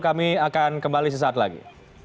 kami akan kembali sesaat lagi